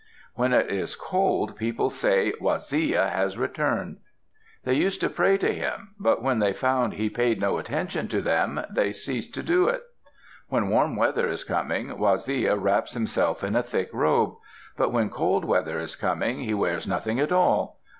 When it is cold, people say, "Waziya has returned." They used to pray to him, but when they found he paid no attention to him, they ceased to do it. When warm weather is coming, Waziya wraps himself in a thick robe. But when cold weather is coming, he wears nothing at all.